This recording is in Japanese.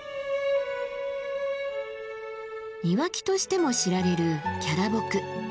庭木としても知られるキャラボク。